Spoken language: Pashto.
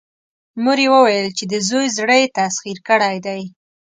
مور يې وويل چې د زوی زړه يې تسخير کړی دی.